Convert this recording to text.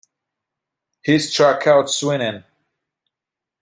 He struck out swinging.